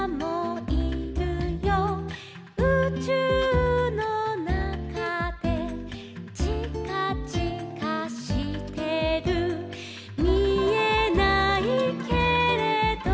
「うちゅうのなかで」「ちかちかしてる」「みえないけれど」